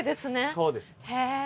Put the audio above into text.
そうです。